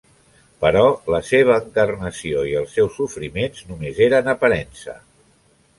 Però la seva encarnació i els seus sofriments només eren aparença.